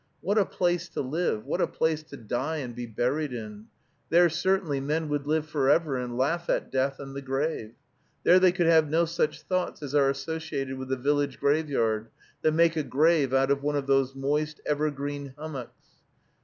What a place to live, what a place to die and be buried in! There certainly men would live forever, and laugh at death and the grave. There they could have no such thoughts as are associated with the village graveyard, that make a grave out of one of those moist evergreen hummocks!